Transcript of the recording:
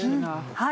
はい。